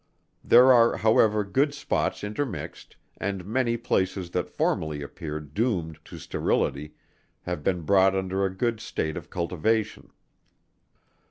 There are however good spots intermixed, and many places that formerly appeared doomed to sterility have been brought under a good state of cultivation.